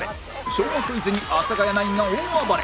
昭和クイズに阿佐ヶ谷ナインが大暴れ！